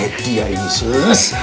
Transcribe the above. eh dia ini sus